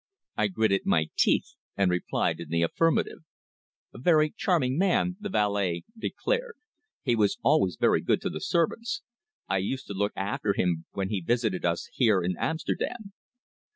I gritted my teeth, and replied in the affirmative. "A very charming man," the valet declared. "He was always very good to the servants. I used to look after him when he visited us here in Amsterdam."